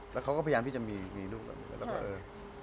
แล้วเค้าก็พยายามที่จะมีลูกก่อน